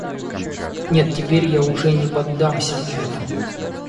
Нет, теперь я уже не поддамся на это!